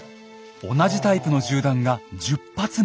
同じタイプの銃弾が１０発も。